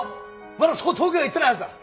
まだそう遠くへは行ってないはずだ！